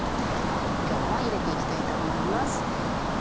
今日はゆでて行きたいと思います。